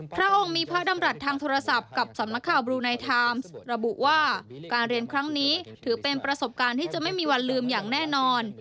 พระองค์มีพระดำรัฐทางโทรศัพท์กับสำนักข่าวบลูไนท์ระบุว่าการเรียนครั้งนี้ถือเป็นประสบการณ์ที่จะไม่มีวันลืมอย่างแน่นอน